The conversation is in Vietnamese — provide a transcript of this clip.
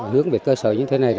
hướng về cơ sở như thế này